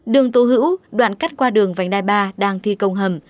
đường tô hữu đoạn cắt qua đường vành đai ba đang thi công hầm